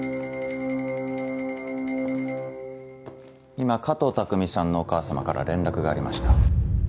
今加藤匠さんのお母様から連絡がありました。